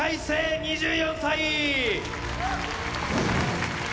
青２４歳！